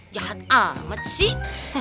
jahat amat sih